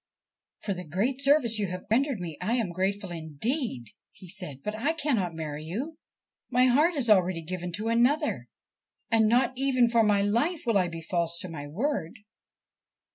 ' For the great service you have rendered me I am grateful indeed,' he said ;' but I cannot marry you. My heart is already given to another, and not even for my life will I be false to my word.'